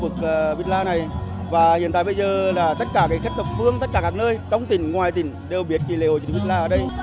lễ hội trịnh bích la này và hiện tại bây giờ là tất cả các khách thập phương tất cả các nơi trong tỉnh ngoài tỉnh đều biết lễ hội trịnh bích la ở đây